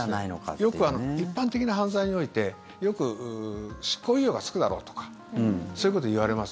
よく一般的な犯罪においてよく執行猶予がつくだろうとかそういうこといわれます。